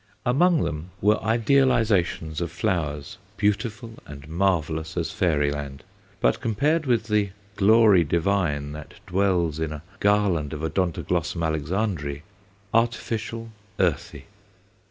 Among them were idealizations of flowers, beautiful and marvellous as fairyland, but compared with the glory divine that dwells in a garland of Odontoglossum Alexandræ, artificial, earthy.